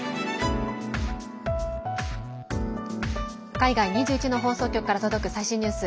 海外２１の放送局から届く最新ニュース。